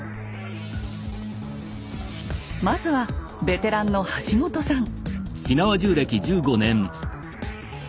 まずはベテランの橋本さん。